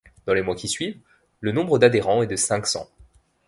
Dans les mois qui suivent, le nombre d'adhérents est de cinq cents.